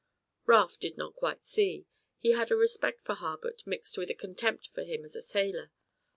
Raft did not quite see. He had a respect for Harbutt mixed with a contempt for him as a sailor.